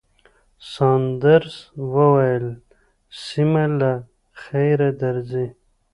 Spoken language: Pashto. ساندرز وویل، سېمه، له خیره درځئ.